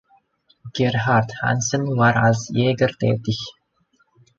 Gerhardt Hansen war als Jäger tätig.